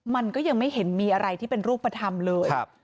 มันก็ยังไม่เห็นมีอะไรที่เป็นรูปธรรมเลย